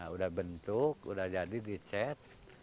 udah bentuk udah jadi dicet